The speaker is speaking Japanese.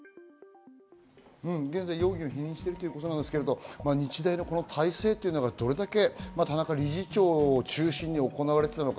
現在、容疑を否認しているということですが、日大のこの体制、どれだけ田中理事長を中心に行われていたのか。